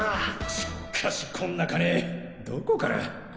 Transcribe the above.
しっかしこんな金どこから。